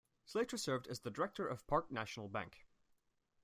Slayter served as Director of Park National Bank.